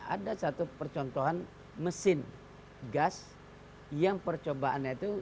ada satu percontohan mesin gas yang percobaannya itu